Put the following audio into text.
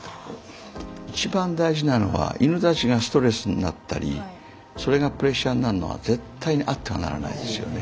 一番大事なのは犬たちがストレスになったりそれがプレッシャーになるのは絶対にあってはならないですよね。